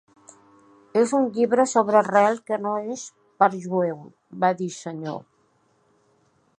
"És un llibre sobre Israel que no és per jueus," va dir Senor.